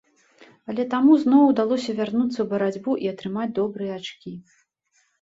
Але таму зноў удалося вярнуцца ў барацьбу і атрымаць добрыя ачкі.